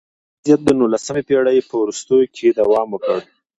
دا وضعیت د نولسمې پېړۍ په وروستیو کې دوام وکړ